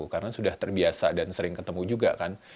karena sudah terbiasa dan sering ketemu juga kan